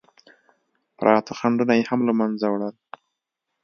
پراته خنډونه یې هم له منځه وړل.